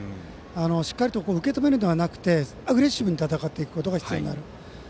しっかりと受け止めるのではなくアグレッシブに戦っていくことが必要になると思います。